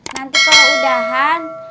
nanti kalau udahan